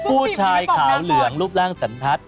ผู้ชายขาวเหลืองรูปร่างสันทัศน